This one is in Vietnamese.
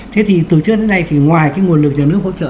thế thì từ trước đến nay thì ngoài cái nguồn lực nhà nước hỗ trợ